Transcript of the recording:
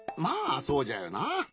まあそうじゃよな。